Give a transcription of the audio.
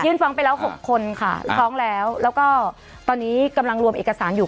ฟ้องไปแล้วหกคนค่ะฟ้องแล้วแล้วก็ตอนนี้กำลังรวมเอกสารอยู่